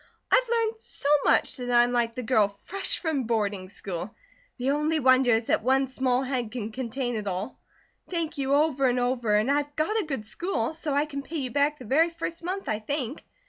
I've learned so much that I'm like the girl fresh from boarding school: 'The only wonder is that one small head can contain it all.' Thank you over and over and I've got a good school, so I can pay you back the very first month, I think.